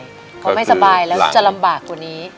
เขาไม่สบายแล้วจะลำบากกว่านี้